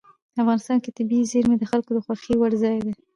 افغانستان کې طبیعي زیرمې د خلکو د خوښې وړ ځای دی.